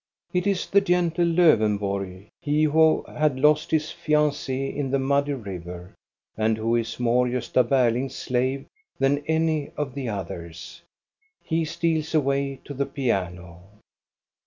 It is the gentle Ldwenborg, he who had lost his fiancee in the muddy river, and who is more Gbsta Berling's slave than any of the others. He steals away to the piano.